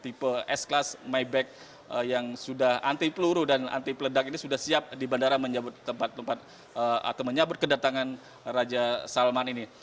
tipe s class maybag yang sudah anti peluru dan anti peledak ini sudah siap di bandara menjemput kedatangan raja salman ini